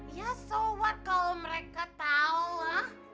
ya so what kalo mereka tau lah